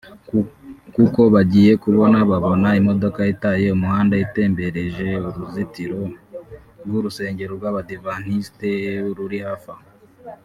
kuko bagiye kubona babona imodoka itaye umuhanda itumbereje uruzitiro rw’urusengero rw’abadivantisite ruri hafi aho